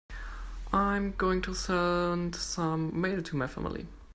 I am going to send some mail to my family.